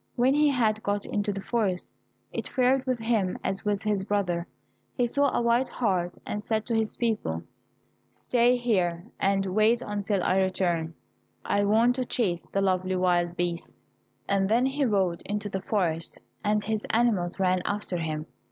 When he had got into the forest, it fared with him as with his brother; he saw a white hart and said to his people, "Stay here, and wait until I return, I want to chase the lovely wild beast," and then he rode into the forest and his animals ran after him.